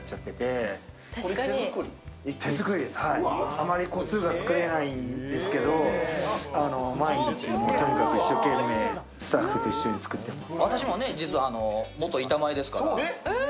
あまり個数は作れないんですけど、毎日一生懸命スタッフと一緒に作っています。